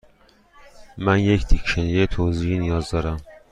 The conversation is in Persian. من یک دیکشنری توضیحی نیاز دارم.